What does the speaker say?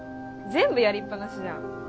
全部やりっぱなしじゃん。